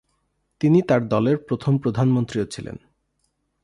তিনি তার দলের প্রথম প্রধানমন্ত্রীও ছিলেন।